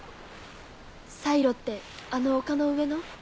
サイロってあの丘の上の？